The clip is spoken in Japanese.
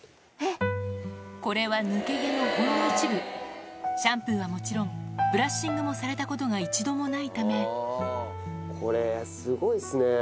これは抜け毛のほんの一部シャンプーはもちろんブラッシングもされたことが一度もないためこれすごいっすね